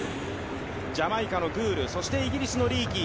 ジャマイカのグール、イギリスのリーキー。